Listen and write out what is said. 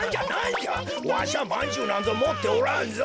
わしはまんじゅうなんぞもっておらんぞ。